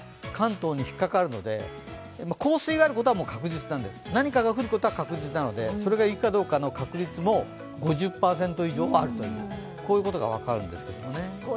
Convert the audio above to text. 関東にひっかかるので、降水があることは確実なんです、何かが降ることは確実なのでそれが雪かどうかの確率も５０％以上あるとこういうことが分かるんです。